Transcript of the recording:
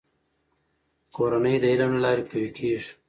کورنۍ د علم له لارې قوي کېږي.